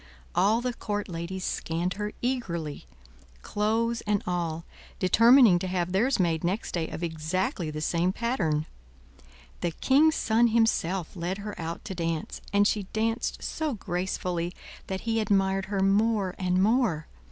All the court ladies scanned her eagerly, clothes and all, determining to have theirs made next day of exactly the same pattern. The king's son himself led her out to dance, and she danced so gracefully that he admired her more and more.